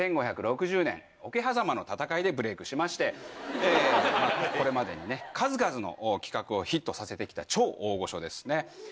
１５６０年桶狭間の戦いでブレークしましてこれまでに数々の企画をヒットさせて来た超大御所ですね。